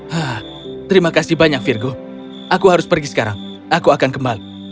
hah terima kasih banyak virgo aku harus pergi sekarang aku akan kembali